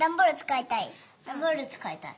ダンボールつかいたい。